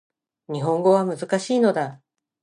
日本語は難しいのだ